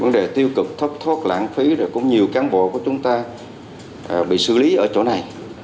vấn đề tiêu cực thốt lãng phí là cũng nhiều cán bộ của chúng ta bị xử lý ở chỗ này